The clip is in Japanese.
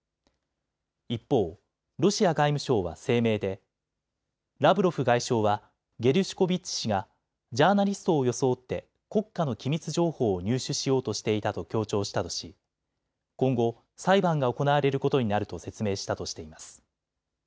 一方、ロシア外務省は声明でラブロフ外相はゲルシュコビッチ氏がジャーナリストを装って国家の機密情報を入手しようとしていたと強調したとし今後、裁判が行われることになると説明したとしています。